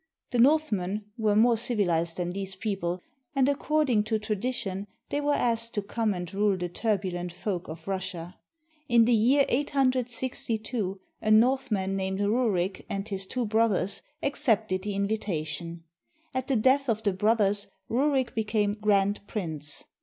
The Northmen were more civilized than these people, and, according to tradition, they were asked to come and rule the turbulent folk of Russia. In the year 862, a Northman named Rurik and his two brothers accepted the invitation. At the death of the broth ers, Rurik became "Grand Prince."